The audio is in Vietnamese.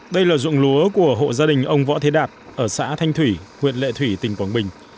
đây là ruộng lúa của hộ gia đình ông võ thế đạt ở xã thanh thủy huyện lệ thủy tỉnh quảng bình